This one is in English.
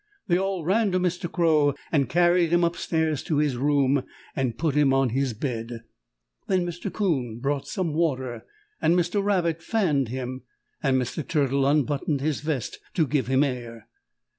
They all ran to Mr. Crow and carried him up stairs to his room and put him on his bed. Then Mr. 'Coon brought some water and Mr. Rabbit fanned him and Mr. Turtle unbuttoned his vest to give him air.